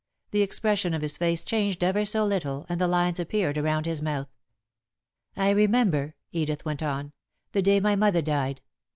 The expression of his face changed ever so little, and lines appeared around his mouth. "I remember," Edith went on, "the day my mother died.